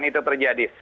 dan itu terjadi